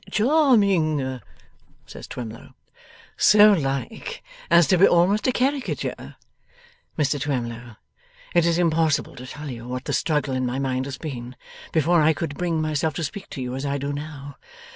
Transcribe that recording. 'Charming!' says Twemlow. 'So like as to be almost a caricature? Mr Twemlow, it is impossible to tell you what the struggle in my mind has been, before I could bring myself to speak to you as I do now.